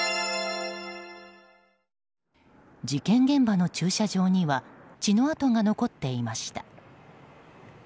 事件現場の駐車場には血の痕が残っていました。